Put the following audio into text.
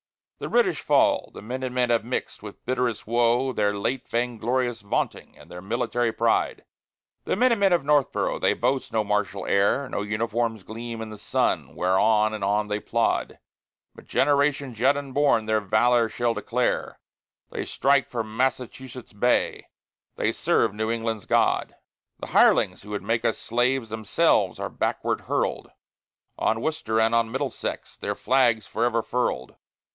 The British fall: the Minute Men have mixed with bitterest woe Their late vainglorious vaunting and their military pride. The Minute Men of Northboro' they boast no martial air; No uniforms gleam in the sun where on and on they plod; But generations yet unborn their valor shall declare; They strike for Massachusetts Bay; they serve New England's God. The hirelings who would make us slaves themselves are backward hurled, On Worcester and on Middlesex their flag's forever furled.